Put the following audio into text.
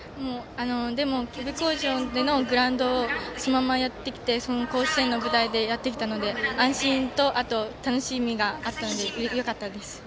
でも、宇部鴻城のグラウンドでそのままやってきて甲子園の舞台でやってきたので安心と楽しみがあったのでよかったです。